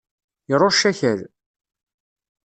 Irucc akal.